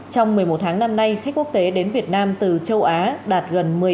trong một mươi một tháng năm nay khách quốc tế đến việt nam từ châu á đạt gần